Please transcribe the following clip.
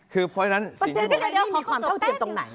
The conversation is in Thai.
ก็เดี๋ยวข้อมูลมีความเท่าเตียมตรงไหน